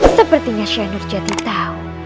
sepertinya syekh nur jatuh tahu